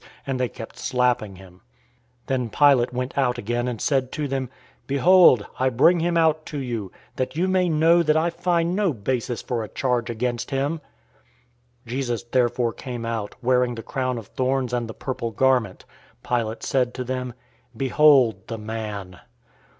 and they kept slapping him. 019:004 Then Pilate went out again, and said to them, "Behold, I bring him out to you, that you may know that I find no basis for a charge against him." 019:005 Jesus therefore came out, wearing the crown of thorns and the purple garment. Pilate said to them, "Behold, the man!"